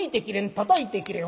たたいて切れん。